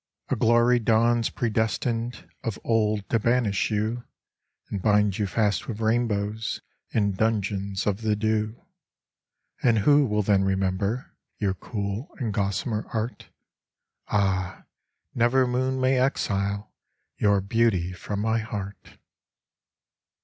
A glory dawns predestined Of old to banish you And bind you fast with rainbows In dungeons of the dew. And who will then remember Your cool and gossamer art? Ah, never moon may exile Your beauty from my heart